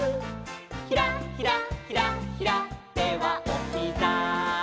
「ひらひらひらひら」「手はおひざ」